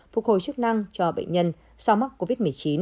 phục hồi chức năng cho bệnh nhân sau mắc covid một mươi chín